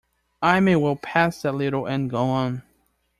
I may well pass that little and go on.